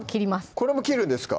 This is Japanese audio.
これも切るんですか？